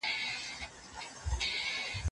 که شک موجود وي علمي پرمختګ ټکنی کیږي.